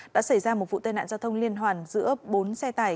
đã xảy ra một vụ tai nạn giao thông liên hoàn giữa bốn xe tải